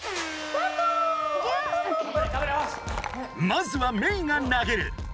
まずはメイが投げる。